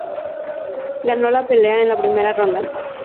Ganó la pelea en la primera ronda.